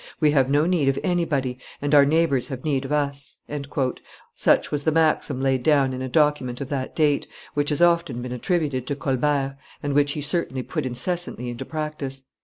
"We have no need of anybody, and our neighbors have need of us;" such was the maxim laid down in a document of that date, which has often been attributed to Colbert, and which he certainly put incessantly into practice.